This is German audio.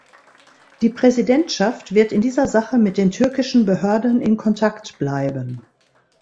Die Präsidentschaft wird in dieser Sache mit den türkischen Behörden in Kontakt bleiben.